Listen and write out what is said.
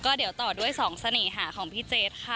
ก็เดี๋ยวต่อด้วย๒เสน่หาของพี่เจดค่ะ